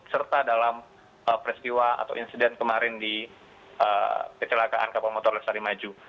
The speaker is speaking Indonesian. serta dalam peristiwa atau insiden kemarin di kecelakaan kapal motor lestari maju